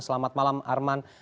selamat malam arman